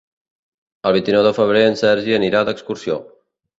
El vint-i-nou de febrer en Sergi anirà d'excursió.